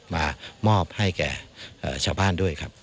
มามอบให้แก่ชาวบ้านด้วยครับ